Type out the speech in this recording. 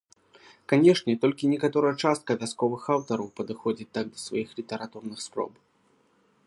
Канешне, толькі некаторая частка вясковых аўтараў падыходзіць так да сваіх літаратурных спроб.